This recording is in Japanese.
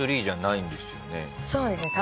そうですね